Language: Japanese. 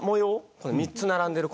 この３つ並んでる